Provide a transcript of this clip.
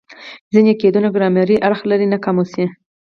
ځیني قیدونه ګرامري اړخ لري؛ نه قاموسي.